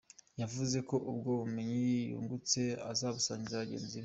Yavuze ko ubwo bumenyi yungutse azabusangiza bagenzi be.